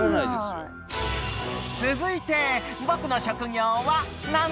［続いて］